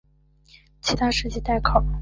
其他事迹待考。